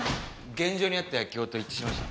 現場にあった薬莢と一致しました。